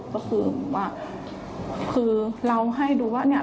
ก็คิดว่าเราให้ดูว่า